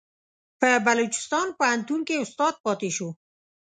په بلوچستان پوهنتون کې استاد پاتې شو.